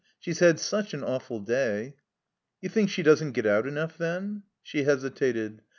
"She's had such an awftd day." "You think she doesn't get out enough, then?" She hesitated.